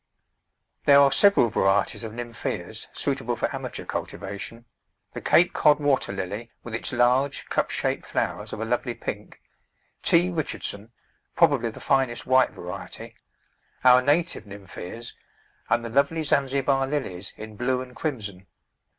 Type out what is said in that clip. There are several varieties of Nymphaeas suitable for amateur cultivation — the Cape Cod Water Lily, with its large, cup shaped flowers of a lovely pink; T. Richardson, probably the finest white variety; our native Nymphaeas, and the lovely Zanzibar Lilies in blue and crimson.